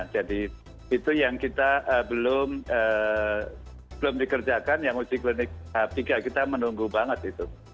jadi itu yang kita belum dikerjakan yang uji klinik tiga kita menunggu banget itu